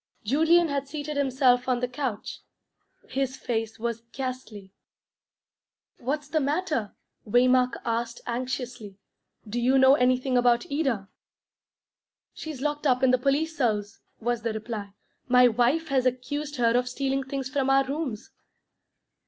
Julian had seated himself on the couch. His face was ghastly. "What's the matter?" Waymark asked anxiously. "Do you know anything about Ida?" "She's locked up in the police cells," was the reply. "My wife has accused her of stealing things from our rooms."